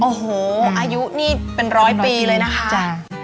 โอ้โหอายุนี่เป็นร้อยปีเลยนะคะ